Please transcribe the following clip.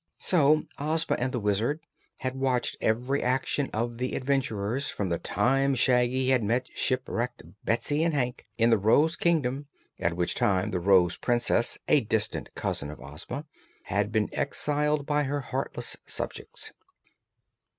So Ozma and the Wizard had watched every action of the adventurers from the time Shaggy had met shipwrecked Betsy and Hank in the Rose Kingdom, at which time the Rose Princess, a distant cousin of Ozma, had been exiled by her heartless subjects.